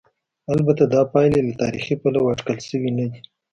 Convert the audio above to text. البته دا پایلې له تاریخي پلوه اټکل شوې نه دي.